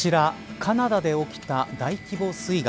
カナダで起きた大規模水害。